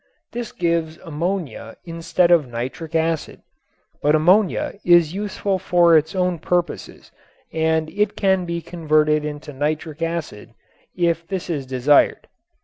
This gives ammonia instead of nitric acid, but ammonia is useful for its own purposes and it can be converted into nitric acid if this is desired.